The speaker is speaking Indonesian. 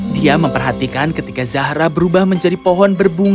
dia memperhatikan ketika zahra berubah menjadi pohon berbunga